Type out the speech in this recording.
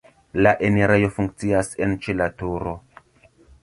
La enirejo funkcias en ĉe la turo.